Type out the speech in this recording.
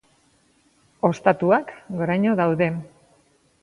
Ostatuak goraino daude.